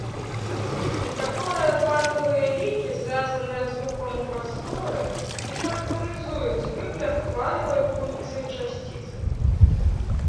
Некаторыя квантавыя лікі звязаныя з рухам у прасторы і характарызуюць выгляд хвалевай функцыі часціцы.